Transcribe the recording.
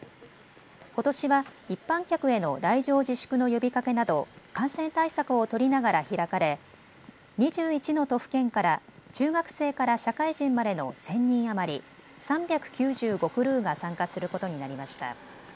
ことしは一般客への来場自粛の呼びかけなど感染対策を取りながら開かれ２１の都府県から中学生から社会人までの１０００人余り、３９５クルーが参加することになりました。